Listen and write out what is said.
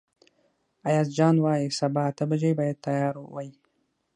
ایاز جان وايي سبا اته بجې باید تیار وئ.